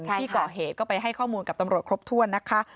ที่ก่อเหตุก็ไปให้ข้อมูลกับตำรวจครบถ้วนนะคะ